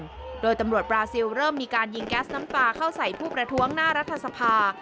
ตำรวจโดยตำรวจบราซิลเริ่มมีการยิงแก๊สน้ำปลาเข้าใส่ผู้ประท้วงหน้ารัฐสภา